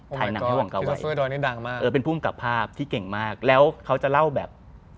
หนังให้ของเขาเป็นภูมิกับภาพที่เก่งมากแล้วเขาจะเล่าแบบ